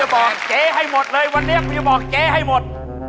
อย่าบอกเก๊ให้หมดเลยวันนี้คุณอยากบอกเก๊ให้หมด